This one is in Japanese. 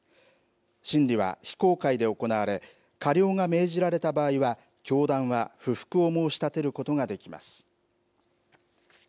審理は非公開で行われ、過料が命じられた場合は、教団は不服を申し立てることができます。